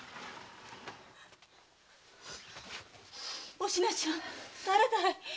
お品ちゃん誰だい？